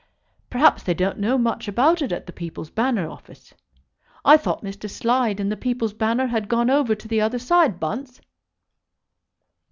"Perhaps they don't know much about it at the People's Banner office. I thought Mr. Slide and the People's Banner had gone over to the other side, Bunce?"